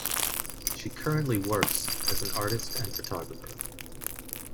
She currently works as an artist and photographer.